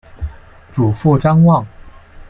祖父张旺。